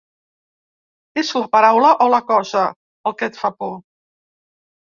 És la paraula o la cosa, el que et fa por?